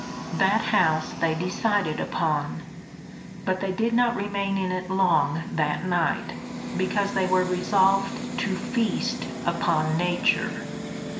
That house they decided upon; but they did not remain in it long that night, because they were resolved to feast upon nature.